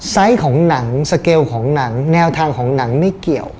ของหนังสเกลของหนังแนวทางของหนังไม่เกี่ยว